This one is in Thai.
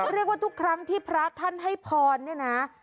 เรียกว่าทุกครั้งที่พระท่านให้พรเนี่ยนะ